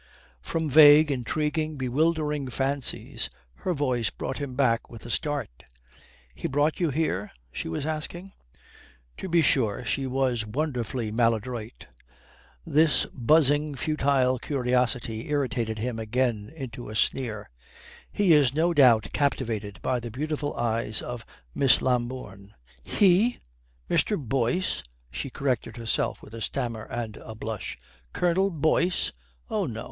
From vague, intriguing, bewildering fancies, her voice brought him back with a start. "He brought you here?" she was asking. To be sure, she was wonderfully maladroit. This buzzing, futile curiosity irritated him again into a sneer. "He is no doubt captivated by the beautiful eyes of Miss Lambourne." "He! Mr. Boyce?" she corrected herself with a stammer and a blush "Colonel Boyce? Oh no.